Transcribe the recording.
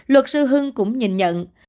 luật sư hương cũng nhìn nhận